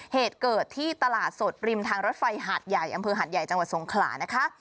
เหตุเกิดที่ตลาดสดริมทางรถไฟหาดใหญ่อำเภอหาดใหญ่จังหวัดสงขลานะคะ